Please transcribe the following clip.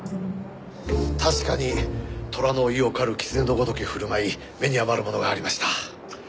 確かに虎の威を借る狐のごとき振る舞い目に余るものがありました。